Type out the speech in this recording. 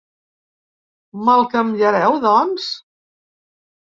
Me'l canviareu, doncs?